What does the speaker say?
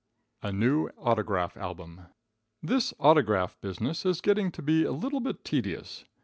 A New Autograph Album. This autograph business is getting to be a little bit tedious.